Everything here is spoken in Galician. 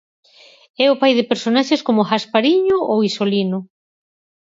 É o pai de personaxes como Gaspariño ou Isolino.